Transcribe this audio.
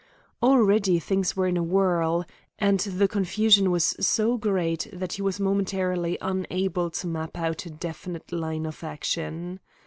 Already things were in a whirl, and the confusion was so great that he was momentarily unable to map out a definite line of action.